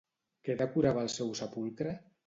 Què decorava el seu sepulcre?